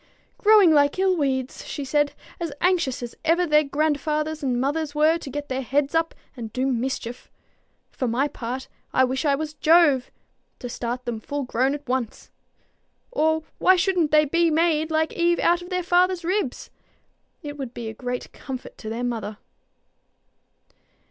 "Growing like ill weeds," she said; "as anxious as ever their grandfathers and mothers were to get their heads up and do mischief. For my part I wish I was Jove, to start them full grown at once. Or why shouldn't they be made like Eve out of their father's ribs? It would be a great comfort to their mother."